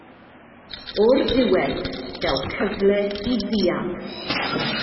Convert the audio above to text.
O'r diwedd daw cyfle i ddial.